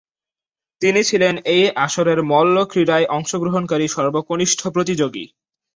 তিনি ছিলেন এই আসরের মল্লক্রীড়ায় অংশগ্রহণকারী সর্বকনিষ্ঠ প্রতিযোগী।